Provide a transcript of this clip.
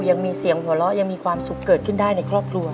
ยังมีเสียงหัวเราะยังมีความสุขเกิดขึ้นได้ในครอบครัว